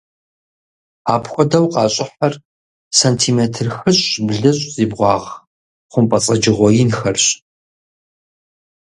Апхуэдэу къащӀыхьыр сантиметр хыщӀ-блыщӀ зи бгъуагъ хъумпӀэцӀэджыгъуэ инхэрщ.